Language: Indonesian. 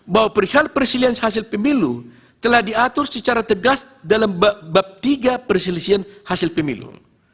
bahwa perihal perselisi hasil pemilu telah diatur secara tegas dalam bab tiga perselisihan hasil pemilu